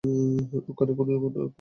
ওখানে কোন কোণায় গিয়ে বসো।